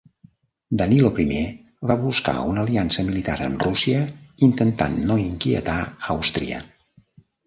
Danilo I va buscar una aliança militar amb Rússia intentant no inquietar Àustria.